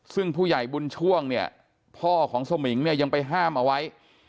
ซึ่งผู้ใหญ่บุญช่วงเนี่ยพ่อของสมิงเนี่ยยังไปห้ามเอาไว้